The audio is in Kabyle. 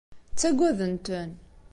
Ttagaden-ten.